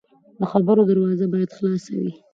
د خبرو دروازه باید خلاصه وي